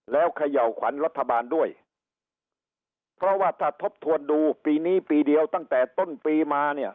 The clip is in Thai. แล้วเขย่าขวัญรัฐบาลด้วยเพราะว่าถ้าทบทวนดูปีนี้ปีเดียวตั้งแต่ต้นปีมาเนี่ย